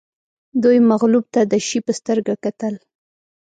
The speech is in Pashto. دوی مغلوب ته د شي په سترګه کتل